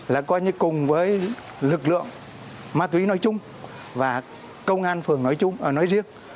là cùng với lực lượng ma túy nói chung và công an phường nói riêng